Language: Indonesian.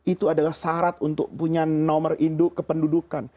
itu adalah syarat untuk punya nomor induk kependudukan